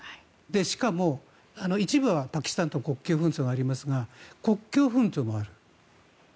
しかも、一部はパキスタンと国境紛争がありますが国境紛争もある。